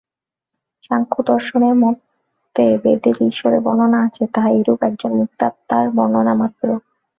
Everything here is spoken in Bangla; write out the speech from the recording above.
সাংখ্যদর্শনের মতে বেদে যে ঈশ্বরের বর্ণনা আছে, তাহা এইরূপ একজন মুক্তাত্মার বর্ণনা মাত্র।